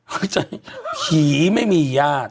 เหี่ยใช่ไหไม่มีญาติ